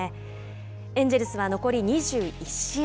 エンジェルスは残り２１試合。